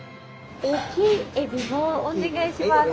大きいえびをお願いします。